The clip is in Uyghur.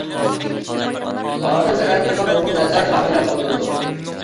ھازىر تەرەققىي قىلغان نۇرغۇن مىللەتلەر فامىلە قوللىنىدۇ.